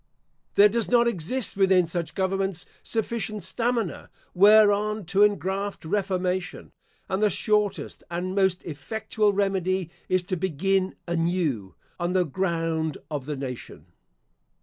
There does not exist within such governments sufficient stamina whereon to engraft reformation; and the shortest and most effectual remedy is to begin anew on the ground of the nation.